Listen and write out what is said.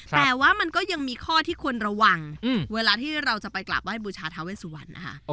แต่ว่ามันก็ยังมีข้อที่ควรระวังเวลาที่เราจะไปกราบไห้บูชาทาเวสุวรรณนะคะ